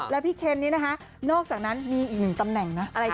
แล้วพี่เคนนี่นะคะนอกจากนั้นมีอีกหนึ่งตำแหน่งนะ